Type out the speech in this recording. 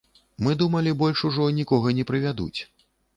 Мы думалі, больш ужо нікога не прывядуць.